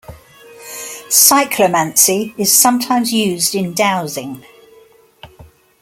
Cyclomancy is sometimes used in Dowsing.